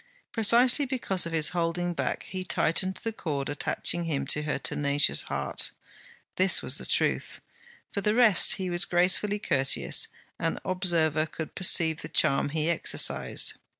precisely because of his holding back he tightened the cord attaching him to her tenacious heart. This was the truth. For the rest, he was gracefully courteous; an observer could perceive the charm he exercised.